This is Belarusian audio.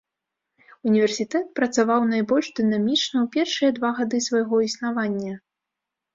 Універсітэт працаваў найбольш дынамічна ў першыя два гады свайго існавання.